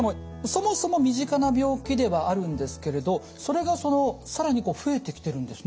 そもそも身近な病気ではあるんですけれどそれが更に増えてきてるんですね。